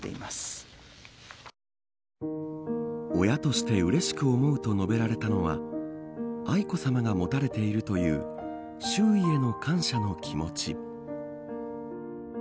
親としてうれしく思うと述べられたのは愛子さまが持たれているという周囲への感謝の気持ち。